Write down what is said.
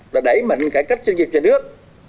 đã đẩy mạnh cải cách doanh nghiệp nhà nước